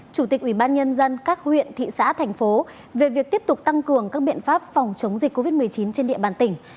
chủ tịch ủy ban nhân dân các huyện thị xã thành phố về việc tiếp tục tăng cường các biện pháp phòng chống dịch covid một mươi chín trên địa bàn tỉnh